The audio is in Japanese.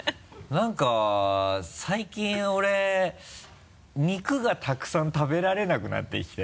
何か最近俺肉がたくさん食べられなくなってきて。